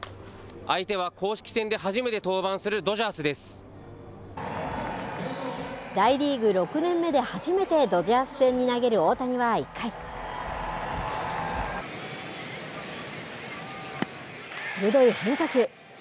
相手は公式戦で初めて登板する大リーグ６年目で初めてドジャース戦に投げる大谷は１回鋭い変化球。